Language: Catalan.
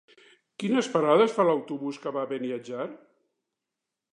Quines parades fa l'autobús que va a Beniatjar?